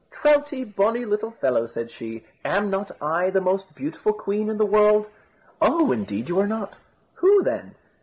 "Troutie, bonny little fellow," said she, "am not I the most beautiful queen in the world?" "Oh! indeed you are not." "Who then?"